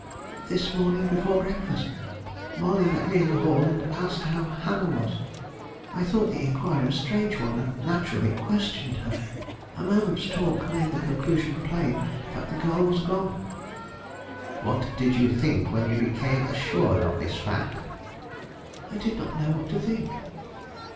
"This morning before breakfast. Molly met me in the hall, and asked how Hannah was. I thought the inquiry a strange one, and naturally questioned her. A moment's talk made the conclusion plain that the girl was gone." "What did you think when you became assured of this fact?" "I did not know what to think."